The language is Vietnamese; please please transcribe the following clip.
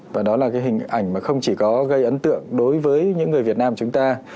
và đó là cái hình ảnh mà không chỉ có gây ấn tượng đối với những người việt nam chúng ta